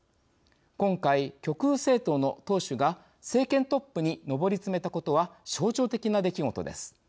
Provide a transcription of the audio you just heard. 今回、極右政党の党首が政権トップに上り詰めたことは象徴的な出来事です。